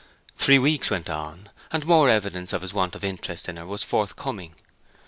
Three weeks went on, and more evidence of his want of interest in her was forthcoming.